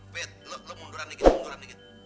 fit lo lo munduran dikit munduran dikit